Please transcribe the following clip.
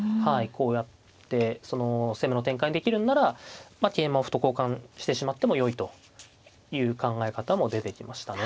こうやって攻めの展開にできるんなら桂馬を歩と交換してしまってもよいという考え方も出てきましたね。